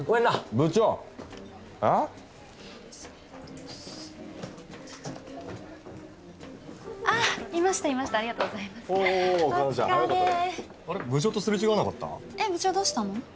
部長どうしたの？